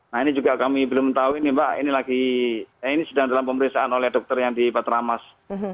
nah ini juga kami belum tahu ini mbak ini sedang dalam pemeriksaan oleh dokter yang di patramas